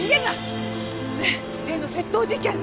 ねぇ例の窃盗事件